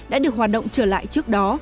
đã được hoạt động trở lại trước đó